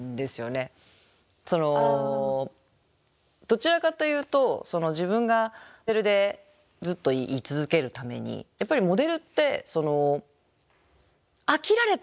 そのどちらかというと自分がモデルでずっと居続けるためにやっぱりモデルって飽きられたら終わりなんですよね。